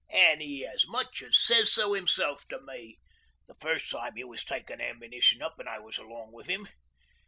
An' 'e as much as says so himself to me the first time 'e was takin' ammunition up an' I was along with 'im.